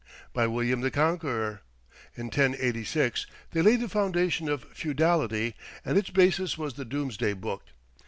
By William the Conqueror. In 1086 they laid the foundation of feudality, and its basis was the "Doomsday Book."